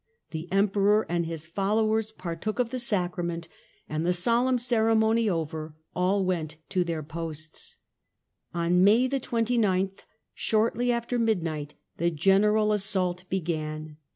The Emperor and his followers partook of the Sacrament, and the solemn ceremony over, all went to their posts. On May the 29th, shortly after midnight, the general assault began.